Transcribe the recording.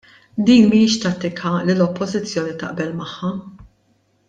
Din mhijiex tattika li l-Oppożizzjoni taqbel magħha.